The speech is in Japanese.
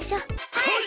はい！